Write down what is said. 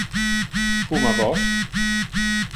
Fuma vos?